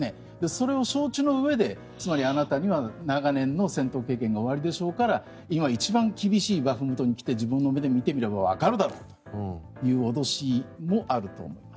それを承知のうえでつまり、あなたには長年の戦闘経験がおありでしょうから今、一番厳しいバフムトに来て自分の目で見てみればわかるだろうという脅しもあると思います。